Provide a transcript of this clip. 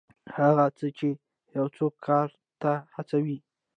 هغه څه چې یو څوک کار ته هڅوي.